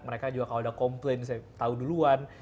mereka juga kalau udah komplain saya tahu duluan